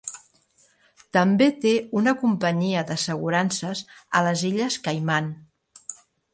També té una companyia d'assegurances a les Illes Caiman.